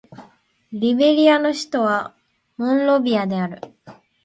リベリアの首都はモンロビアである